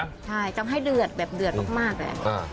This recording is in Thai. ใช่ทำให้เดือดแบบเดือดมากเลย